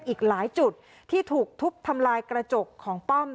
อีกหลายจุดที่ถูกทุบทำลายกระจกของป้อม